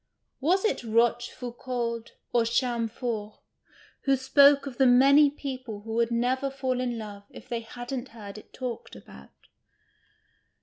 Was it Rochefoucauld or Chamfort who spoke of the many people who would never fall in love if they hadn't heard it talked about